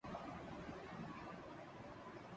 اس مظاہرہ دلاوری کے بعد نون لیگیوں کو کچھ محسوس نہیں ہوا؟